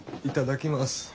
いただきます。